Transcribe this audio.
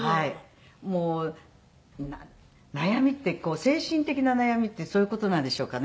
もう悩みって精神的な悩みってそういう事なんでしょうかね。